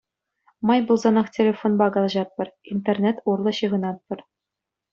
Май пулсанах телефонпа калаҫатпӑр, интернет урлӑ ҫыхӑнатпӑр.